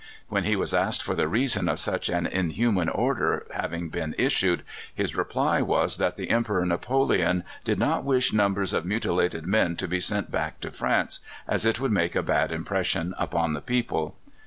When he was asked for the reason of such an inhuman order having been issued, his reply was that the Emperor Napoleon did not wish numbers of mutilated men to be sent back to France, as it would make a bad impression upon the people.